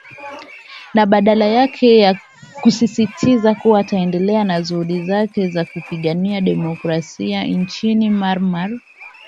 na badala yake kusisitiza kuwa ataendelea na juhudi zake za kupigania demokrasia nchini mynmar